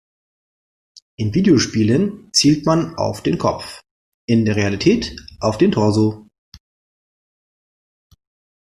In Videospielen zielt man auf den Kopf, in der Realität auf den Torso.